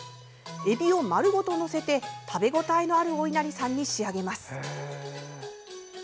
えびを丸ごと載せて食べ応えのあるおいなりさんに仕上げます。